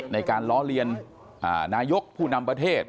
ในการล้อเลียนนายกผู้นำประเทศ